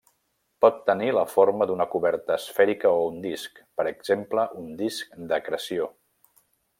Pot tenir la forma d'una coberta esfèrica o un disc, per exemple un disc d'acreció.